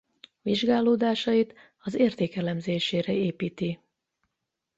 Vizsgálódásait az érték elemzésére építi.